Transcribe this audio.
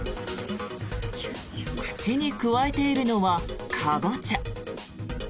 口にくわえているのはカボチャ。